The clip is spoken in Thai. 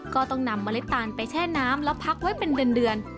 ก็ต้องนำเมล็ดตาลไปแช่น้ำแล้วพักไว้เป็นเดือน